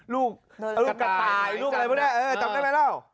รูปกระต่ายรูปอะไรพวกนี้จำได้ไหมแล้ว